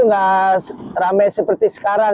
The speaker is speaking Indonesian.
pada waktu itu tidak ramai seperti sekarang